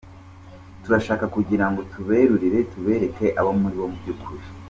Turashaka kugira ngo tuberurire, tubereke abo muri bo by’ukuri.